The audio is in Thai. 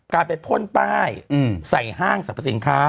การไปพ่นป้ายใส่ห้างสรรพสินค้า